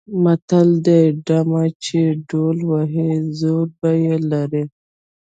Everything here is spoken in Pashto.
متل دی: ډم چې ډول وهي زور به یې لري.